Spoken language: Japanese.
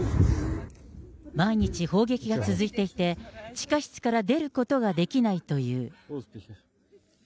毎日砲撃が続いていて、地下室から出ることができないという。